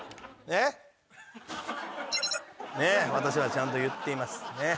ねっ私はちゃんと言っています。